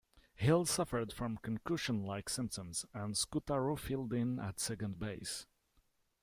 Hill suffered from concussion-like symptoms, and Scutaro filled in at second base.